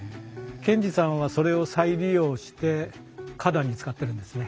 賢治さんはそれを再利用して花壇に使ってるんですね。